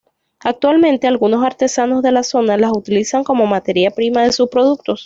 Actualmente algunos artesanos de la zona las utilizan como materia prima de sus productos.